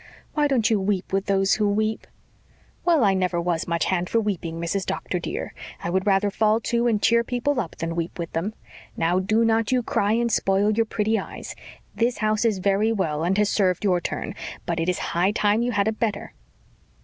Why don't you weep with those who weep?" "Well, I never was much hand for weeping, Mrs. Doctor, dear. I would rather fall to and cheer people up than weep with them. Now, do not you cry and spoil your pretty eyes. This house is very well and has served your turn, but it is high time you had a better."